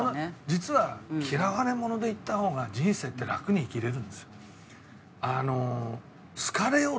実は嫌われ者でいった方が人生って楽に生きられるんですよ。